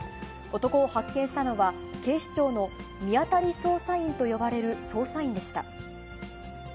男を発見したのは、警視庁の見当たり捜査員と呼ばれる捜査員でした。